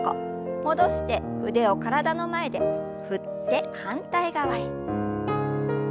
戻して腕を体の前で振って反対側へ。